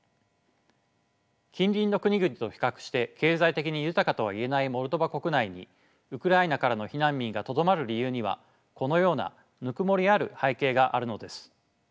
近隣の国々と比較して経済的に豊かとは言えないモルドバ国内にウクライナからの避難民がとどまる理由にはこのようなぬくもりある背景があるのです。